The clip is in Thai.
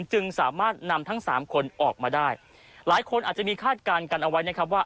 จึงสามารถนำทั้งสามคนออกมาได้หลายคนอาจจะมีคาดการณ์กันเอาไว้นะครับว่า